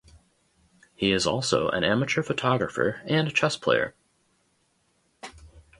He is also an amateur photographer and chess player.